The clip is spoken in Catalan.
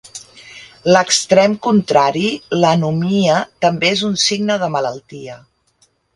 L'extrem contrari, l'anomia, també és un signe de malaltia.